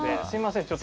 すみません